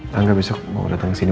tangga besok mau datang ke sini